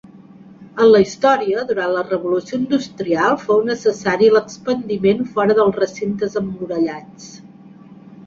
En la història, durant la revolució industrial fou necessari l'expandiment fora dels recintes emmurallats.